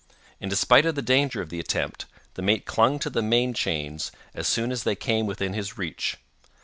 In despite of the danger of the attempt, the mate clung to the main chains as soon as they came within his reach.